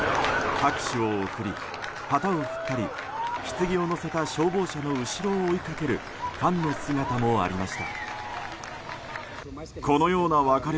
拍手を送り、旗を振ったりひつぎを乗せた消防車の後ろを追いかけるファンの姿もありました。